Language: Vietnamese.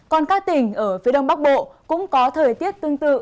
còn các tỉnh ở phía đông bắc bộ cũng có thời tiết tương tự